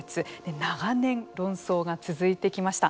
長年、論争が続いてきました。